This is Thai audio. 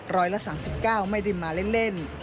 ร้อยละ๓๙ไม่ได้มาเล่น